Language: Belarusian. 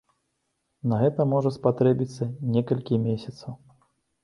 На гэта можа спатрэбіцца некалькі месяцаў.